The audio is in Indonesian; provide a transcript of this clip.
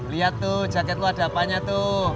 lihat tuh jaket itu ada apanya tuh